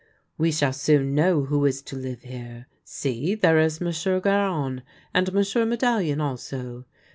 " We shall soon know who is to live here. See, there is Monsieur Garon, and Monsieur Medallion also."